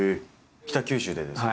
北九州でですか？